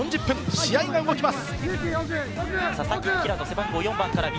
試合が動きます。